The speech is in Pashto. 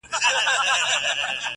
یو پراخ او ښکلی چمن دی -